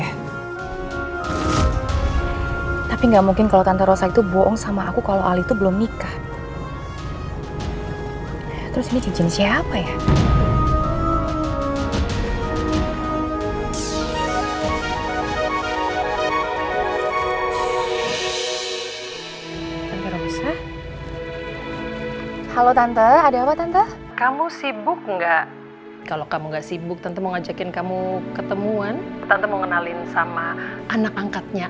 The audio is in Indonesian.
hai tapi nggak mungkin kalau tante rosa itu bohong sama aku kalau al itu belum nikah terus ini siapa ya